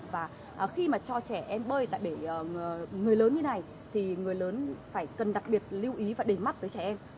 và khi mà cho trẻ em bơi tại bể người lớn như này thì người lớn phải cần đặc biệt lưu ý và đề mắc tới trẻ em